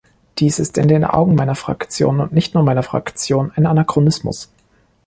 Dies ist in den Augen meiner Fraktion, und nicht nur meiner Fraktion, ein Anachronismus.